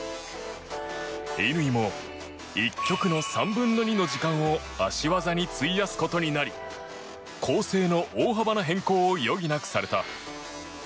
乾も、１曲の３分の２の時間を脚技に費やすことになり構成の大幅な変更を余儀なくされた。